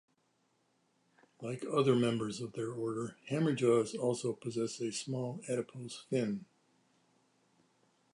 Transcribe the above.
Like other members of their order, hammerjaws also possess a small adipose fin.